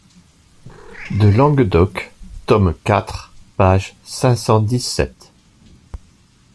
de Languedoc, tome quatre, page cinq cent dix-sept.